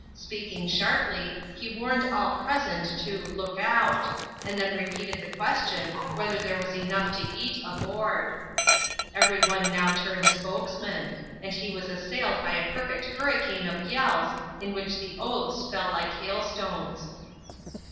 Speaking sharply, he warned all present to " look out ;" and then repeated the question, whether there was enough to eat aboard. Every one now turned spokesman ; and he was as sailed by a perfect hurricane of yells, in which the oaths fell like hailstones.